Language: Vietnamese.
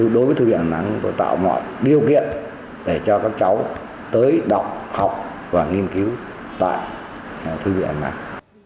đối với thư viện đà nẵng tôi tạo mọi điều kiện để cho các cháu tới đọc học và nghiên cứu tại thư viện đà nẵng